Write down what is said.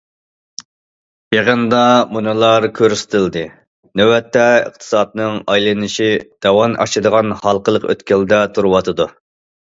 يىغىندا مۇنۇلار كۆرسىتىلدى: نۆۋەتتە ئىقتىسادنىڭ ئايلىنىشى داۋان ئاشىدىغان ھالقىلىق ئۆتكەلدە تۇرۇۋاتىدۇ.